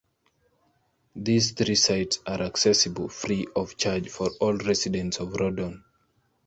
These three sites are accessible free of charge for all residents of Rawdon.